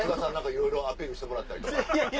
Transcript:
いろいろアピールしてもらったり。